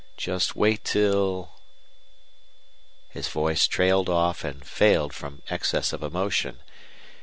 Just wait till " His voice trailed off and failed from excess of emotion.